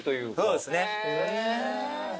そうですね。